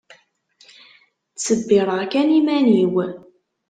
Ttsebbireɣ kan iman-iw.